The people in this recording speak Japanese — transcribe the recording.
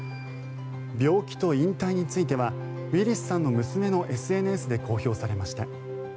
病気と引退についてはウィリスさんの娘のＳＮＳで公表されました。